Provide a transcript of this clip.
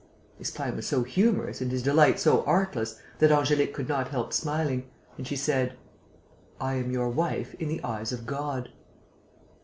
His plan was so humorous and his delight so artless that Angélique could not help smiling; and she said: "I am your wife in the eyes of God."